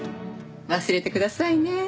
忘れてくださいね。